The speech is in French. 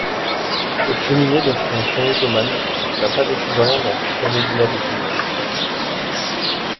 Cette cheminée, d'inspiration ottomane, n'a pas d'équivalent dans toute la médina de Tunis.